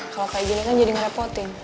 kalau kayak gini kan jadi ngerepotin